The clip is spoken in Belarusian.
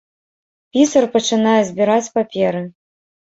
Пісар пачынае збіраць паперы.